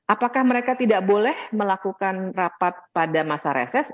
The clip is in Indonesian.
apakah mereka tidak boleh melakukan rapat pada masa reses